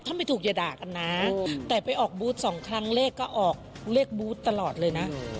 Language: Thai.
ถ้าไม่ถูกอย่าด่ากันนะแต่ไปออกบูธสองครั้งเลขก็ออกเลขบูธตลอดเลยนะ